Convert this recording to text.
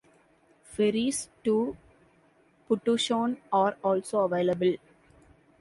Ferries to Putuoshan are also available.